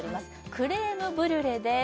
クレームブリュレです